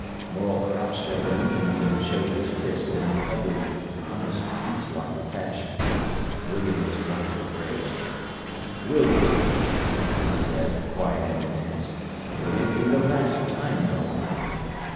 Morel crouched at the knees and showed his fist in an ugly, almost beast like fashion. William was white with rage. "Will yer?" he said, quiet and intense. "It 'ud be the last time, though."